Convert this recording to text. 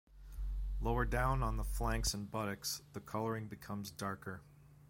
Lower down on the flanks and buttocks, the coloring becomes darker.